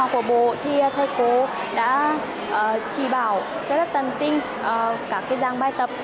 và có những đề thi minh hoa của bộ thì thầy cô đã chỉ bảo rất là tần tinh các gian bài tập